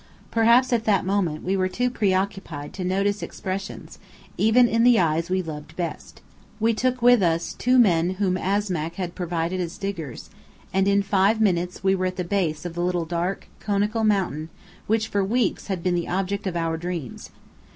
Perhaps at the moment we were too preoccupied to notice expressions, even in the eyes we loved best. We took with us two men whom Asmack had provided as diggers, and in five minutes we were at the base of the little dark, conical mountain which for weeks had been the object of our dreams.